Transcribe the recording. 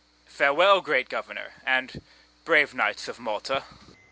Farewell, great governor, and brave knights of Malta.